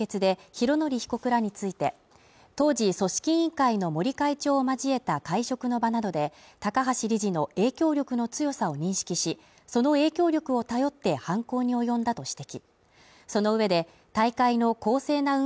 東京地裁は今日の判決で、拡憲被告らについて当時、組織委員会の森会長を交えた会食の場などで高橋理事の影響力の強さを認識し、その影響力を頼って犯行に及んだと指摘。